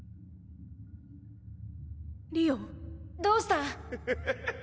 どうした？